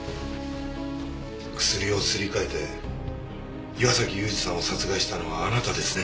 薬をすり替えて岩崎裕二さんを殺害したのはあなたですね？